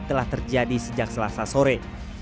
telah terjadi sejak selasa sore